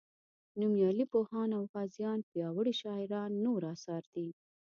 نومیالي پوهان او غازیان پیاوړي شاعران نور اثار دي.